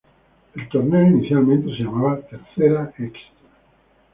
El torneo inicialmente se llamaba Tercera Extra".